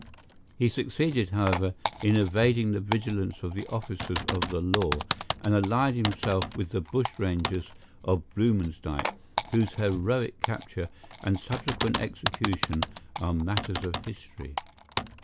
He succeeded, however, in evading the vigilance of the officers of the law, and allied himself with the bushrangers of Bluemansdyke, whose heroic capture and subsequent execution are matters of history.